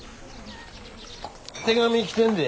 手紙来てんで。